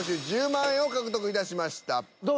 １０万円を獲得いたしました。